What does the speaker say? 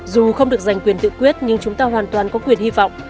dù không được giành quyền tự quyết nhưng chúng ta hoàn toàn có quyền hy vọng